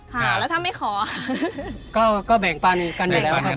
ค่ะแล้วถ้าไม่ขอก็แบ่งปันกันไปแล้วครับ